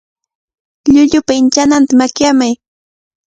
Llullupa inchananta makyamay.